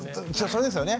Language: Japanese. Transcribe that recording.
それですよね。